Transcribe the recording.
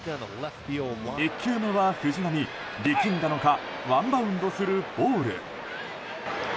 １球目は藤浪、力んだのかワンバウンドするボール。